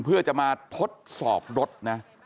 เพื่อจะมาทดสอบรถนะ